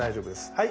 はい！